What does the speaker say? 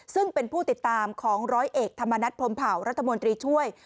ซึ่งเป็นผู้ติดตามของร้อยเอกธรรมนัฐพรมเผารัฐมนตรีช่วย